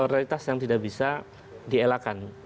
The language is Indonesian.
realitas yang tidak bisa dielakkan